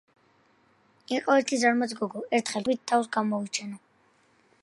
იყო ერთი ზარმაცი გიგო. ერთხელ თქვა: მოდი, ერთი ბეჯითობით თავს გამოვიჩენო